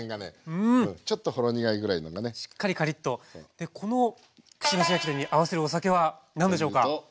でこの串なし焼き鳥に合わせるお酒は何でしょうか？